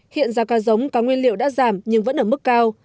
hiện giá ca giống ca nguyên liệu đã giảm nhưng vẫn ở mức cao